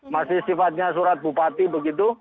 masih sifatnya surat bupati begitu